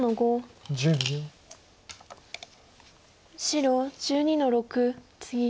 白１２の六ツギ。